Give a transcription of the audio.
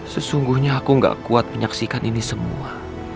sesungguhnya aku gak kuat menyaksikan ini semua